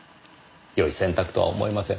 よい選択とは思えません。